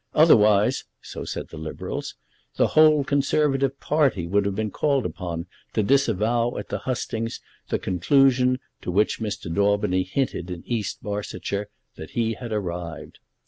Otherwise, so said the Liberals, the whole Conservative party would have been called upon to disavow at the hustings the conclusion to which Mr. Daubeny hinted in East Barsetshire that he had arrived.